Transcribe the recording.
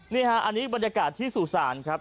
นี่ฮะอันนี้บรรยากาศที่สุสานครับ